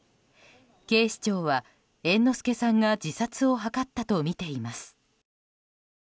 警視庁は猿之助さんが自殺を図ったとみています。